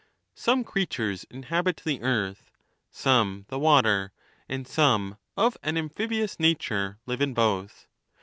Some creatures inhabit the eai'th, some the watei', and some, of an amphibious nature, live in both.